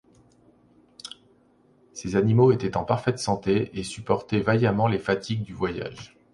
Ces animaux étaient en parfaite santé et supportaient vaillamment les fatigues du voyage.